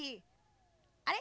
あれ？